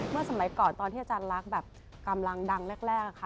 สมัยก่อนตอนที่อาจารย์ลักษณ์แบบกำลังดังแรกค่ะ